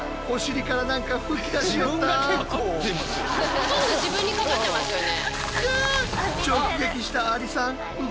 ほとんど自分にかかってますよね。